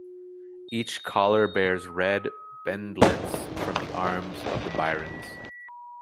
Each collar bears red bendlets from the arms of the Byrons.